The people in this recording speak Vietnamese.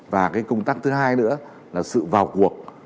và cái công tác thứ hai nữa là sự vào cuộc